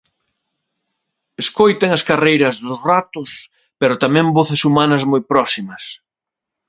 Escoitan as carreiras dos ratos pero tamén voces humanas moi próximas.